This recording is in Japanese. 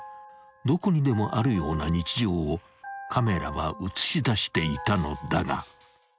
［どこにでもあるような日常をカメラは映し出していたのだが］